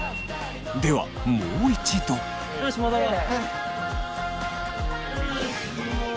ではもう一度！よし戻ろう。